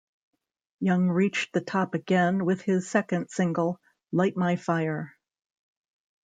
Young reached the top again with his second single "Light My Fire".